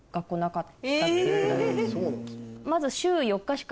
まず。